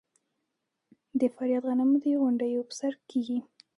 د فاریاب غنم د غونډیو په سر کیږي.